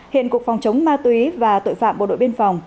hiện cục phòng chống ma túy và tội phạm bộ đội biên phòng